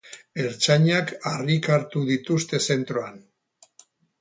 Ertzainak harrika hartu dituzte zentroan.